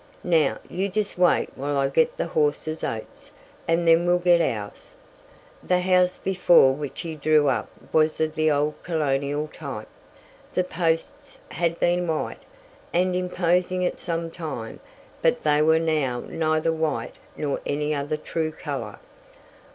Now, you just wait while I get the horse's oats, and then we'll get ours." The house before which he drew up was of the old Colonial type the posts had been white, and imposing at some time, but they were now neither white nor any other true color.